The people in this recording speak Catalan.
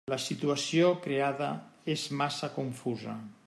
La situació creada és massa confusa.